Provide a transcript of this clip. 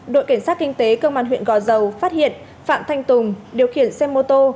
đội kiểm soát kinh tế cơ quan huyện gò dầu phát hiện phạm thanh tùng điều khiển xe mô tô